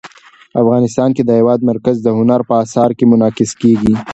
افغانستان کې د هېواد مرکز د هنر په اثار کې منعکس کېږي.